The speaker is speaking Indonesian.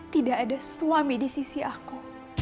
tidak ada suami di sisi aku